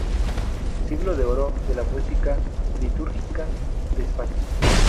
Siglo de Oro de la música litúrgica de España".